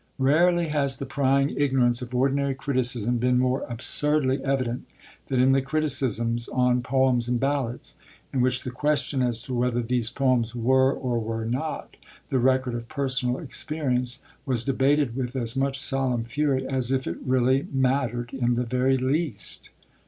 Rarely has the prying ignorance of ordinary criticism been more absurdly evident than in the criticisms on Poems and Ballads, in which the question as to whether these poems were or were not the record of personal experience was debated with as much solemn fury as if it really mattered in the very least.